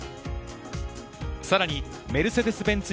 さらにメルセデス・ベンツ